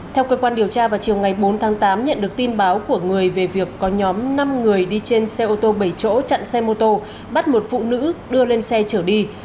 theo cơ quan điều tra vào chiều ngày bốn tháng tám nhận được tin báo của người về việc có nhóm năm người đi trên xe ô tô bảy chỗ chặn xe mô tô bắt một phụ nữ đưa lên xe chở đi